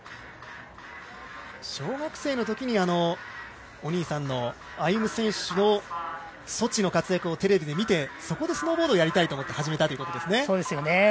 小学生のときにお兄さんの歩夢選手のソチの活躍をテレビで見てそこでスノーボードをやりたいと思って、始めたということですよね